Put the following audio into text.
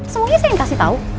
semuanya saya yang kasih tahu